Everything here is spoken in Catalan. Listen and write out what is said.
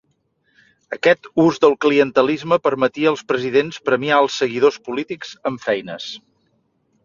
Aquest ús del clientelisme permetia als presidents premiar els seguidors polítics amb feines.